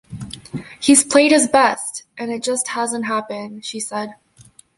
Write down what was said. He's played his best, and it just hasn't happened, she said.